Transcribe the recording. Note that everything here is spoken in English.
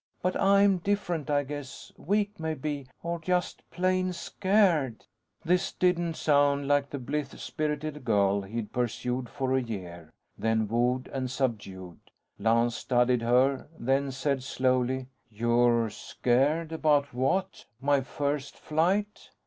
But I'm different, I guess. Weak, maybe. Or just plain scared " This didn't sound like the blithe spirited girl he'd pursued for a year, then wooed and subdued. Lance studied her, then said slowly: "You're scared. About what? My first flight?"